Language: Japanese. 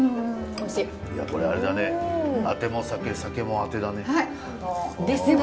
これあれだねあても酒酒もあてだね！ですね！